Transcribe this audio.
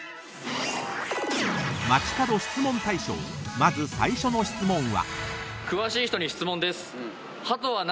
［まず最初の質問は］